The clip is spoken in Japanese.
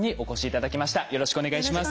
よろしくお願いします。